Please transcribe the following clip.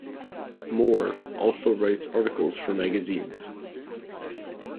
Moore also writes articles for magazines.